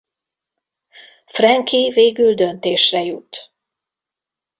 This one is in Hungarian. Frankie végül döntésre jut.